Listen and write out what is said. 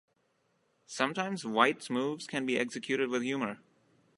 Sometimes White's moves can be executed with humour.